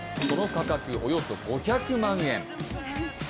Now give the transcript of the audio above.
その価格およそ５００万円。